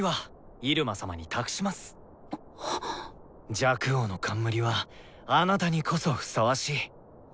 若王の冠はあなたにこそふさわしい。